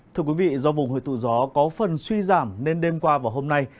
thưa quý vị do vùng hội tụ gió có phần suy giảm nên đêm qua và hôm nay